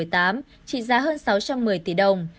trị giá hơn sáu trăm một mươi tỷ đồng